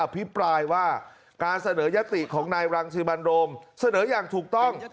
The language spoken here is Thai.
พิปรายว่าการเสนอยติของนายรังสิมันโรมเสนออย่างถูกต้อง